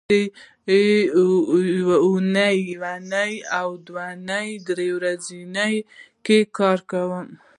زه د اونۍ یونۍ او دونۍ دې درې ورځو کې کار کوم